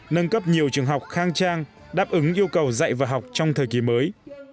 nâng cấp nhiều trường học khang trang đáp ứng yêu cầu dạy và học trong thời kỳ mới